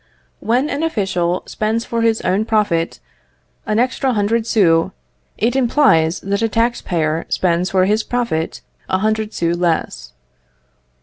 When an official spends for his own profit an extra hundred sous, it implies that a tax payer spends for his profit a hundred sous less.